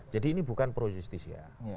jadi ini bukan pro justis ya